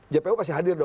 jpo pasti hadir dong